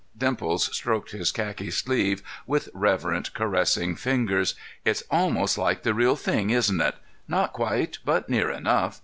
Dimples stroked his khaki sleeve with reverent, caressing fingers. "It's almost like the real thing, isn't it? Not quite, but near enough.